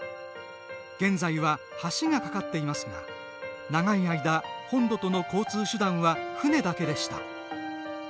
現在は橋が架かっていますが長い間、本土との交通手段は船だけでした。